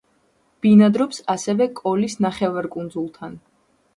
ბინადრობს ასევე კოლის ნახევარკუნძულთან.